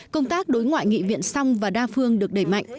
công tác đối ngoại nghị viện song và đa phương được đẩy mạnh